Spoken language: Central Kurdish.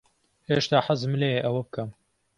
هێشتا حەزم لێیە ئەوە بکەم.